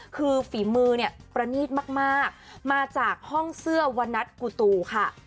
คือฝีมือเนี่ยประณีตมากมาจากห้องเสื้อวันนัทกูตูค่ะ